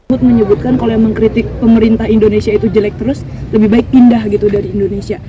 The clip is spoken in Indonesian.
kut menyebutkan kalau memang kritik pemerintah indonesia itu jelek terus lebih baik pindah dari indonesia